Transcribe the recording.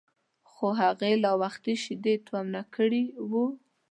خو هغې لا وختي شیدې تومنه کړي وو.